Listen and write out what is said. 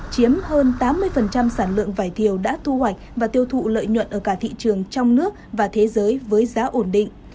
chiếm hơn tám mươi sản lượng vải thiều đã thu hoạch và tiêu thụ lợi nhuận ở cả thị trường trong nước và thế giới với giá ổn định